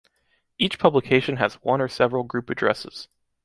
Each publication has one or several group addresses.